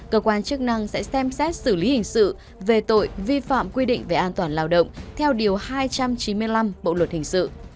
cơ quan chức năng sẽ xem xét xử lý hình sự về tội vi phạm quy định về an toàn lao động theo điều hai trăm chín mươi năm bộ luật hình sự